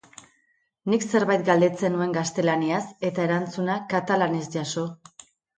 Nik zerbait galdetzen nuen gaztelaniaz eta erantzuna katalanez jaso.